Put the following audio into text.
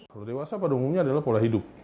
kalau dewasa pada umumnya adalah pola hidup